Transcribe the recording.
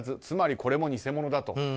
つまりこれも偽物だと。